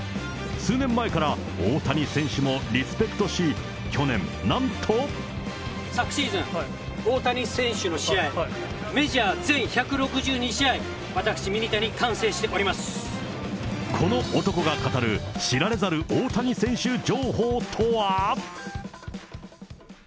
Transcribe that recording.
数年前から大谷選手もリスペクトし、去年、昨シーズン、大谷選手の試合、メジャー全１６２試合、私、ミニタニ、この男が語る、知られざる大谷選手情報とは。